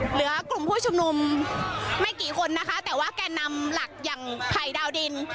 เหลือกลุ่มผู้ชุมนุมไม่กี่คนนะคะแต่ว่าแก่นำหลักอย่างภัยดาวดิน